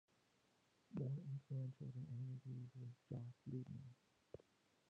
More influential than any of these was Jost Liebmann.